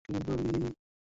তুমি তোমার কাজ বলো?